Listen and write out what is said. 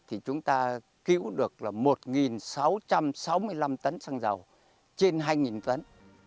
thì chúng ta cứu được là một sáu trăm sáu mươi năm tấn xăng dầu trên hai tấn